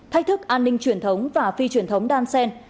thách thức an ninh truyền thống và phi truyền thống đan sen